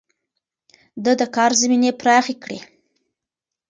ده د کار زمينې پراخې کړې.